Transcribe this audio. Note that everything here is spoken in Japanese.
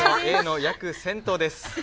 約１０００頭です。